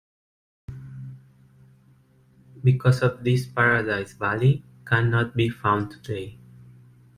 Because of this Paradise Valley can not be found today.